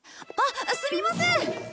あっすみません。